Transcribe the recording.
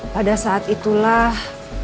pada saat itulah